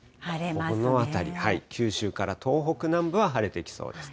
ここの辺り、九州から東北南部は晴れてきそうです。